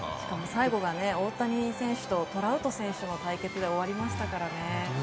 最後が大谷選手とトラウト選手の対決で終わりましたからね。